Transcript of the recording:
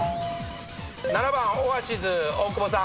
７番オアシズ大久保さん。